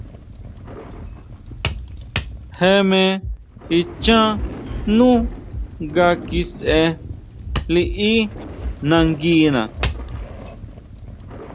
Je me ichán nú nga kisʼe liʼí nanguina.